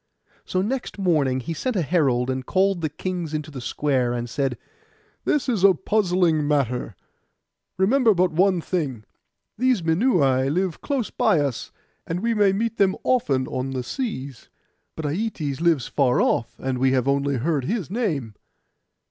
So next morning he sent a herald, and called the kings into the square, and said, 'This is a puzzling matter: remember but one thing. These Minuai live close by us, and we may meet them often on the seas; but Aietes lives afar off, and we have only heard his name.